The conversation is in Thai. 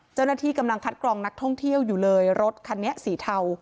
เจ้าหน้าที่กำลังคัดกรองนักท่องเที่ยวอยู่เลยรถคันนี้สีเทา